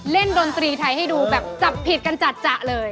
ดนตรีไทยให้ดูแบบจับผิดกันจัดเลย